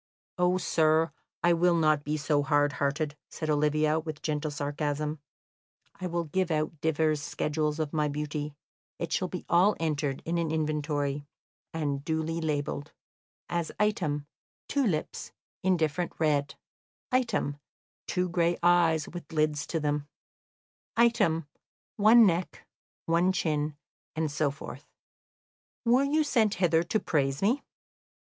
"Oh, sir, I will not be so hard hearted," said Olivia, with gentle sarcasm; "I will give out divers schedules of my beauty; it shall be all entered in an inventory, and duly labelled; as, item, two lips, indifferent red; item, two gray eyes, with lids to them; item, one neck, one chin, and so forth. Were you sent hither to praise me?"